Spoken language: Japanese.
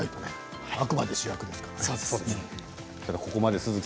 あくまでも主役ですからね。